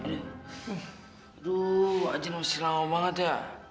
aduh aji masih lama banget ya